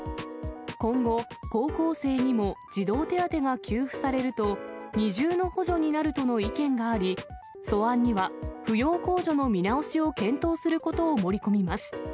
今後、高校生にも児童手当が給付されると、二重の補助になるとの意見があり、素案には扶養控除の見直しを検討することを盛り込みます。